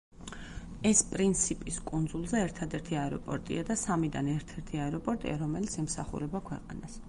ეს პრინსიპის კუნძულზე ერთადერთი აეროპორტია და სამიდან ერთ-ერთი აეროპორტია, რომელიც ემსახურება ქვეყანას.